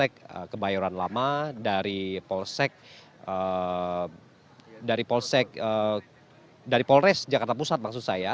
ada kops brimob dari polsek kebayoran lama dari polsek dari polsek dari polres jakarta pusat maksud saya